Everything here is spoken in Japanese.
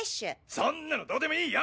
そんなのどでもいいよ！